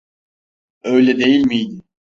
Öyle değil miydi?